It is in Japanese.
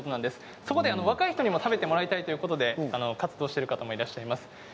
そこで若い人にも食べてもらいたいということで活動している方がいます。